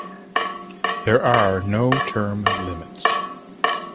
There are no term limits.